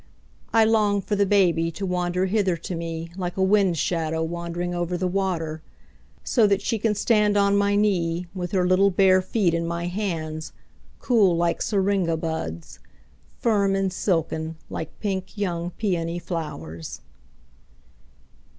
I long for the baby to wander hither to meLike a wind shadow wandering over the water, So that she can stand on my kneeWith her little bare feet in my hands, Cool like syringa buds, Firm and silken like pink young peony flowers.